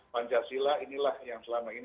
pancasila inilah yang selama ini